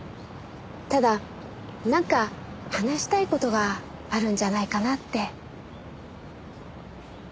ただなんか話したい事があるんじゃないかなって。